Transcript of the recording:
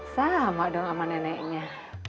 sama dong sama neneknya